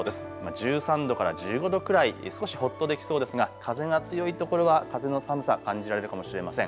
１３度から１５度くらい少しほっとできそうですが風が強い所は風の寒さ感じられるかもしれません。